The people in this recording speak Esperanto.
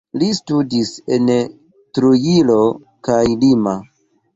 Li studis en Trujillo kaj Lima.